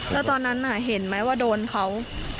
แล้วตอนนั้นเห็นไหมว่าโดนเขา